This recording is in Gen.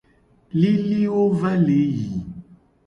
Liliwo va le yi.